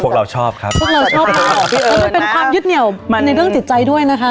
พวกเราชอบครับพวกเราชอบเออเป็นความยึดเหนียวในเรื่องจิตใจด้วยนะคะ